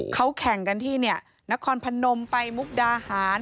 เขาแข่งกันที่นครพนมไปมุกดาหาร